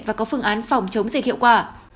và có phương án phòng chống dịch hiệu quả